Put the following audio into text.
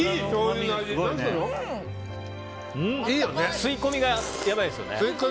吸い込みが、やばいですよね。